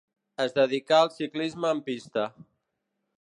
Es dedicà al ciclisme en pista.